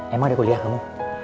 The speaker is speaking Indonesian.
emang ada kuliah kamu